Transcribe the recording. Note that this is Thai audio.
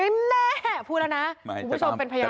แน่พูดแล้วนะคุณผู้ชมเป็นพยาน